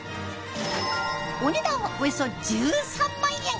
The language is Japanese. お値段はおよそ１３万円。